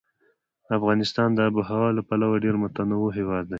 افغانستان د آب وهوا له پلوه ډېر متنوع هېواد دی.